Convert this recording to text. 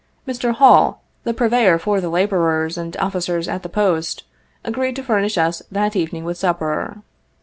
Mr. Hall, the purveyor for the laborers and officers at the Post, agreed to furnish us that evening with supper.